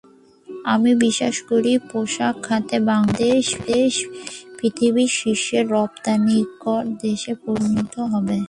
আমি বিশ্বাস করি, পোশাক খাতে বাংলাদেশ পৃথিবীর শীর্ষ রপ্তানিকারক দেশে পরিণত হবে।